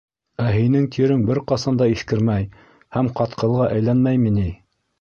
Ә һинең тирең бер ҡасан да иҫкермәй һәм ҡатҡылға әйләнмәйме ни?